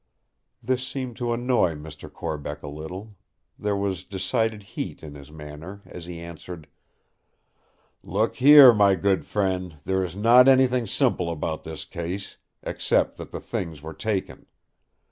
This seemed to annoy Mr. Corbeck a little; there was decided heat in his manner as he answered: "Look here, my good friend, there is not anything simple about this case—except that the things were taken.